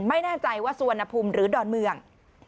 ไม่แน่ใจว่าสุวรรณภูมิหรือดอนเมือง